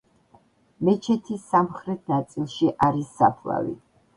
მეჩეთის სამხრეთ ნაწილში არის საფლავი.